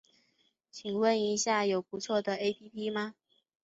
请问一下有不错的 ㄟＰＰ 吗